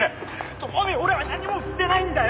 朋美俺は何もしてないんだよ！